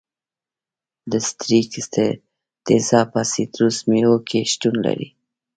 د ستریک تیزاب په سیتروس میوو کې شتون لري.